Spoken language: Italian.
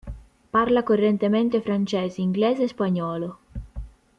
Parla correntemente francese, inglese e spagnolo.